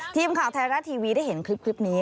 ทีมข่าวไทยรัฐทีวีได้เห็นคลิปนี้